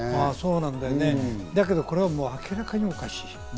これは明らかにおかしい。